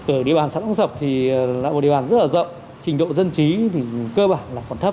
ở địa bàn xã đông sập thì là một địa bàn rất là rộng trình độ dân trí thì cơ bản là còn thấp